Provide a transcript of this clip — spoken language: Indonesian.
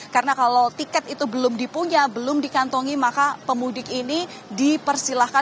karena kalau tiket itu belum dipunya belum dikantongi maka pemudik ini dipersilakan